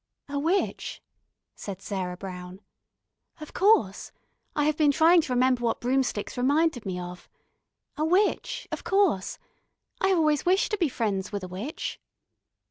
"A witch," said Sarah Brown. "Of course. I have been trying to remember what broomsticks reminded me of. A witch, of course. I have always wished to be friends with a witch."